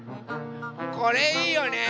これいいよね。